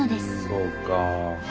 そうか。